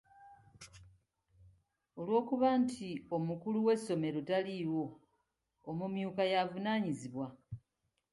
Olw'okuba nti omukulu w'essomero taliiwo, omumyuka y'avunaanyizibwa.